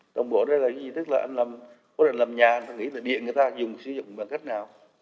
đồng bộ đó là gì tức là anh làm có thể làm nhà anh có nghĩ là điện người ta dùng sử dụng bằng cách nào